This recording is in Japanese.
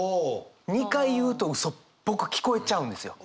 ２回言うとうそっぽく聞こえちゃうんですよ。